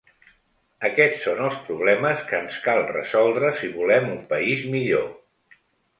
Aquests són els problemes que ens cal resoldre si volem un país millor.